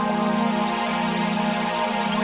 aku selalu menyokongmu